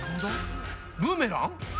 ブーメラン？